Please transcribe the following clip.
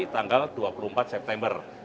tanggal dua puluh empat september